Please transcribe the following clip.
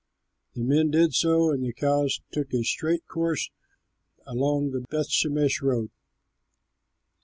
The men did so, and the cows took a straight course along the Bethshemesh road.